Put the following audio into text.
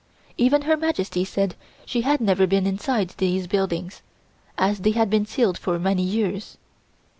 Even Her Majesty said she had never been inside these buildings, as they had been sealed for many years.